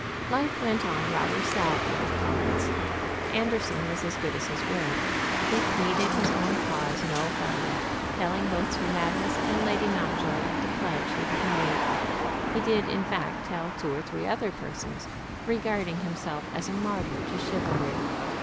Life went on rather sadly with Florence. Anderson was as good as his word. He pleaded his own cause no farther, telling both Sir Magnus and Lady Mountjoy of the pledge he had made. He did in fact tell two or three other persons, regarding himself as a martyr to chivalry.